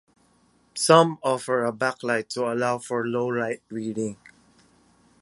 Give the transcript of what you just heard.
Some offer a backlight to allow for low-light reading.